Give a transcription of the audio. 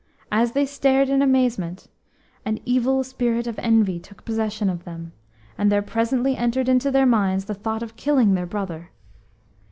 As they stared in amazement, an evil spirit of envy took possession of them, and there presently entered into their minds the thought of killing their brother.